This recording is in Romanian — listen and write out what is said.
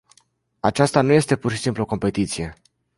Aceasta nu este pur și simplu o competiție.